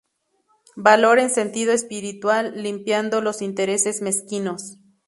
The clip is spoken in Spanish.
Valor en sentido espiritual, limpiando los intereses mezquinos.